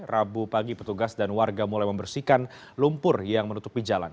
rabu pagi petugas dan warga mulai membersihkan lumpur yang menutupi jalan